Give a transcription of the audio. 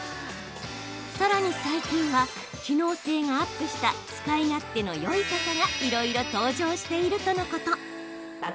さらに最近は機能性がアップした使い勝手のよい傘がいろいろ登場しているとのこと。